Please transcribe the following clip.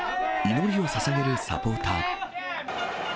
祈りをささげるサポーター。